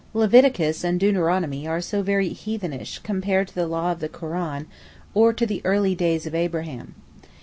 Leviticus and Deuteronomy are so very heathenish compared to the law of the Koran, or to the early days of Abraham.